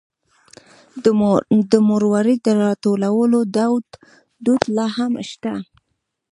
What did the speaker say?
د مروارید د راټولولو دود لا هم شته.